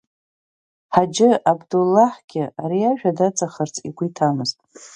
Ҳаџьы Абдуллаҳгьы ари ажәа даҵахарц игәы иҭамызт.